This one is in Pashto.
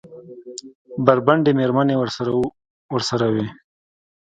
بربنډې مېرمنې ورسره وې؟